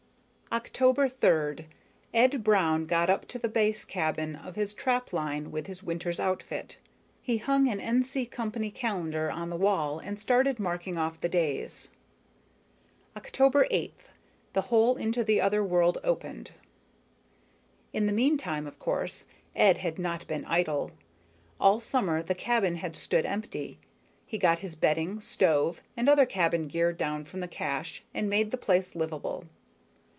_October 3rd, Ed Brown got up to the base cabin of his trap line with his winter's outfit. He hung an N. C. Company calendar on the wall and started marking off the days. October 8th, the hole into the other world opened. In the meantime, of course, Ed had not been idle. All summer the cabin had stood empty. He got his bedding, stove, and other cabin gear down from the cache and made the place livable.